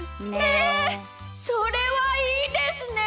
それはいいですね！